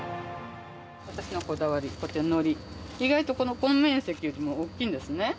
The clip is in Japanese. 私のこだわり、こうやってのり、意外とこの面積よりも大きいんですね。